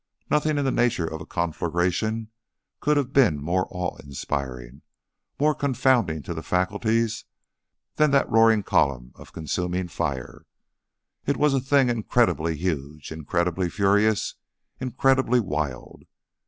Nothing in the nature of a conflagration could have been more awe inspiring, more confounding to the faculties than that roaring column of consuming fire. It was a thing incredibly huge, incredibly furious, incredibly wild.